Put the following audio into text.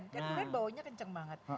durian baunya kenceng banget